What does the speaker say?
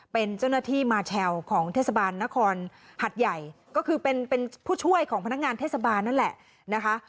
เป็นเจ้าหน้าที่มาแชลของเทศบาลนครหัดใหญ่ก็คือเป็นผู้ช่วยของพนักงานเทศบาลนั่นแหละนะคะ